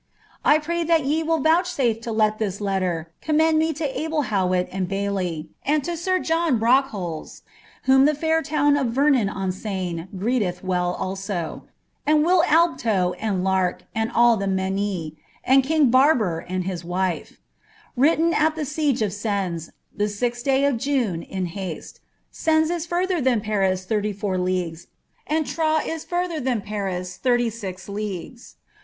■■ I pray that ye will vouchsafe to let this letter commend me to Abel Howit md &iyley, and to sir John Brockholes, and to greet well Richard Prior (M'hom* die fair town of Vernon on Seine grceteth well also), and Will Albtow and [Ark and all the meinie^ and king Barbour and his wife. Written at the siege at Sens, the Cth day of June, in haste, ^ens is further than Paris thir^ four leagues, and Troyes is furttier than Paris thirty six leagues.